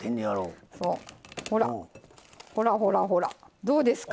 ほらほらほらほらどうですか？